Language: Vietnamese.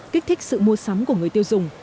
kích thích sự mua sắm của người tiêu dùng